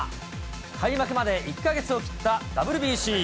開幕まで１か月を切ったＷＢＣ。